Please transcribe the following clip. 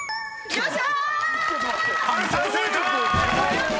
おっしゃ！